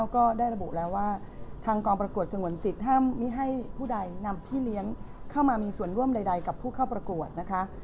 ก็ได้ระบุแล้วว่าทางกองประกวดสงวนสิทธิ์ห้ามไม่ให้ผู้ใดนำพี่เลี้ยงเข้ามามีส่วนร่วมใดกับผู้เข้าประกวดนะคะ